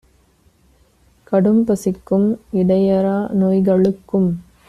கடும்பசிக்கும் இடையறா நோய்க ளுக்கும்